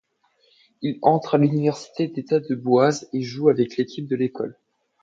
Il entre à l'université d'État de Boise et joue avec l'équipe de l'école.